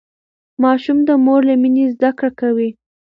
ماشوم د مور له مينې زده کړه کوي.